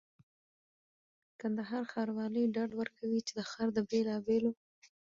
کندهار ښاروالي ډاډ ورکوي چي د ښار د بېلابېلو